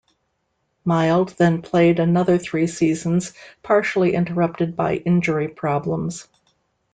Mild then played another three seasons, partially interrupted by injury problems.